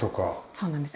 そうなんです。